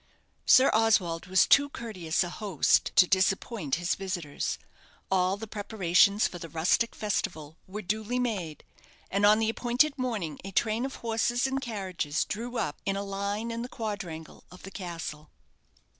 Sir Oswald was too courteous a host to disappoint his visitors. All the preparations for the rustic festival were duly made: and on the appointed morning a train of horses and carriages drew up in a line in the quadrangle of the castle.